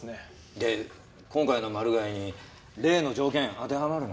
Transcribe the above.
で今回のマル害に例の条件当てはまるの？